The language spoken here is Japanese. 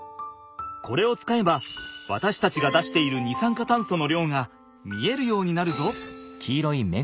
これを使えばわたしたちが出している二酸化炭素の量が見えるようになるぞ。